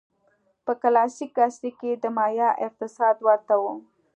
په کلاسیک عصر کې د مایا اقتصاد ورته و.